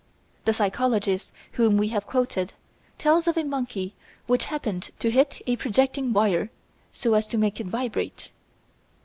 The psychologist whom we have quoted tells of a monkey which happened to hit a projecting wire so as to make it vibrate.